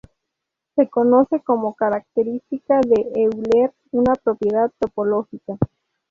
Se conoce como característica de Euler, una propiedad topológica.